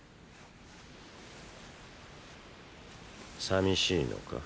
さみしいのか？